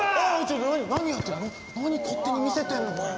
何勝手に見せてんのこれ。